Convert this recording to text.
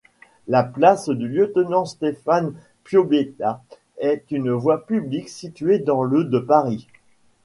La place du Lieutenant-Stéphane-Piobetta est une voie publique située dans le de Paris.